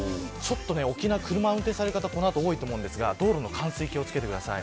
沖縄、車を運転される方多いと思いますが道路の冠水に気を付けてください。